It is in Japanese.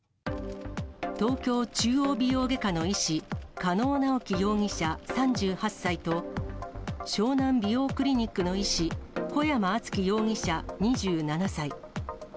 東京中央美容外科の医師、加納直樹容疑者３８歳と、湘南美容クリニックの医師、小山忠宣容疑者２７歳。